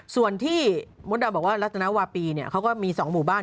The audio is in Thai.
ส่วนที่มดดำบอกว่ารัฐนาวาปีเขาก็มี๒หมู่บ้าน